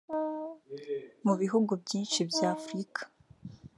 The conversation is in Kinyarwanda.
Mu bihugu byinshi bya Afurika